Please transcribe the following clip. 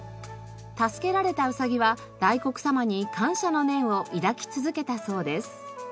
助けられたうさぎはだいこく様に感謝の念を抱き続けたそうです。